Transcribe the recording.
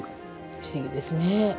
不思議ですね。